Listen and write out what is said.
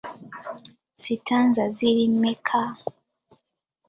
Sitanza ziri mmeka?